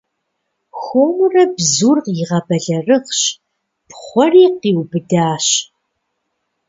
Хуэмурэ бзур игъэбэлэрыгъщ, пхъуэри, къиубыдащ.